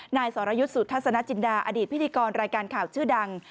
นายสรยุทธ์สุทัศนจินดาอดีตพิธีกรรายการข่าวชื่อดัง